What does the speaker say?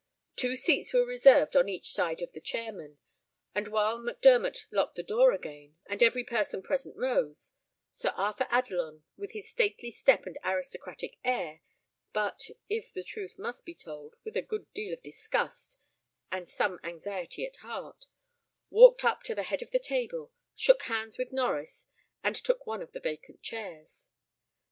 Two seats were reserved on each side of the chairman; and while Mac Dermot locked the door again, and every person present rose, Sir Arthur Adelon, with his stately step and aristocratic air, but, if the truth must be told, with a good deal of disgust and some anxiety at heart, walked up to the head of the table, shook hands with Norries, and took one of the vacant chairs.